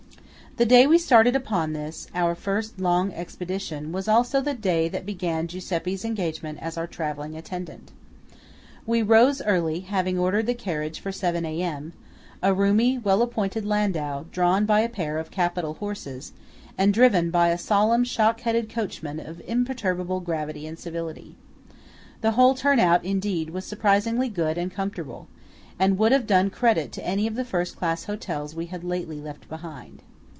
7 The day we started upon this, our first long expedition, was also the day that began Giuseppe's engagement as our travelling attendant. We rose early, having ordered the carriage for seven A.M.–a roomy well appointed landau, drawn by a pair of capital horses, and driven by a solemn shock headed coachman of imperturbable gravity and civility. The whole turn out, indeed, was surprisingly good and comfortable, and would have done credit to any of the first class hotels we had lately left behind.